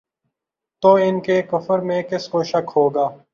تو ان کے کفر میں کس کو شک ہوگا